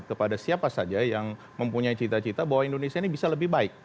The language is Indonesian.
kepada siapa saja yang mempunyai cita cita bahwa indonesia ini bisa lebih baik